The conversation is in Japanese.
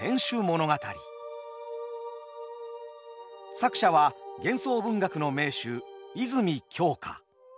作者は幻想文学の名手泉鏡花。